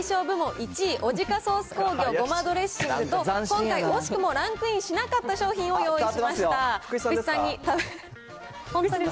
部門１位、オジカソース工業、ごまドレッシングと、今回、惜しくもランクインしなかった商品を用意しました。